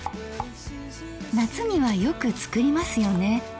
夏にはよく作りますよね。